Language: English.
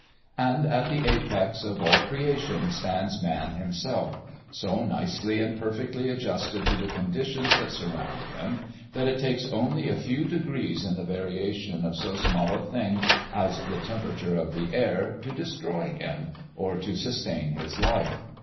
And at the apex of all creation stands man himself, so nicely and perfectly adjusted to the conditions that surround him that it takes only a few degrees in the variation of so small a thing as the temperature of the air to destroy him or to sustain his life.